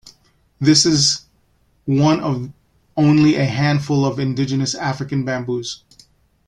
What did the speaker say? This is one of only a handful of indigenous African bamboos.